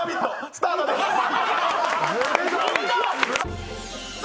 スタートです！